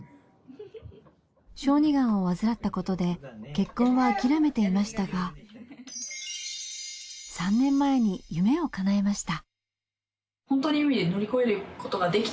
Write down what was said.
小児がんを患ったことで結婚は諦めていましたが３年前に夢を叶えました。